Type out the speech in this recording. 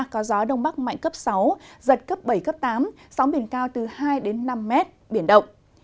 có gió đông bắc mạnh cấp sáu giật cấp bảy cấp tám sóng biển cao từ hai đến năm mét biển động